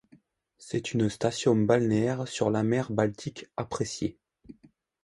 C'est une station balnéaire sur la mer Baltique appréciée.